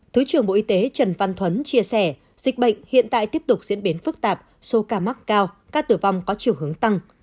thứ trưởng bộ y tế trần văn thuấn chia sẻ dịch bệnh hiện tại tiếp tục diễn biến phức tạp số ca mắc cao ca tử vong có chiều hướng tăng